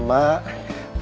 mau ikut donor darah